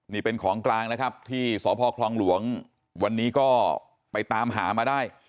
นี่เป็นของกลางนะครับที่สพคลองหลวงวันนี้ก็ไปตามหามาได้